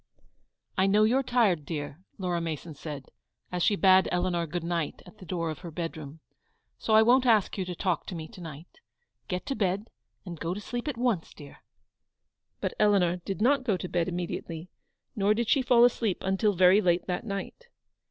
"I know you're tired, dear," Laura Mason said, as she bade Eleanor good night at the door of her bed room, " so I won't ask you to talk to me to night. Get to bed, and go to sleep at once, dear." But Eleanor did not go to bed immediately; nor did she fall asleep until very late that night.